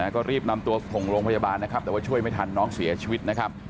ก็รีบนำตัวส่งโรงพยาบาลนะครับแต่ว่าช่วยไม่ทันน้องเสียชีวิตนะครับ